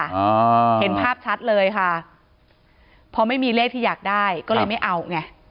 อ่าเห็นภาพชัดเลยค่ะพอไม่มีเลขที่อยากได้ก็เลยไม่เอาไง